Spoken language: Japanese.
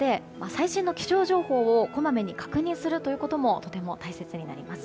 最新の気象情報をこまめに確認することもとても大切になります。